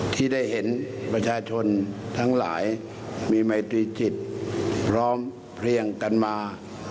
ที่ได้เห็นประชาชนทั้งหลายมีไมตรีจิตพร้อมเพลียงกันมา